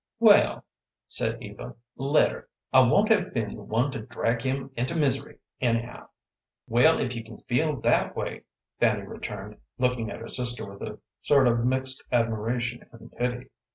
"Well," said Eva, "let her. I won't have been the one to drag him into misery, anyhow." "Well, if you can feel that way," Fanny returned, looking at her sister with a sort of mixed admiration and pity.